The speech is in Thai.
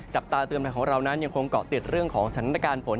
จับตาเตือนภัยของเรานั้นยังคงเกาะติดเรื่องของสถานการณ์ฝน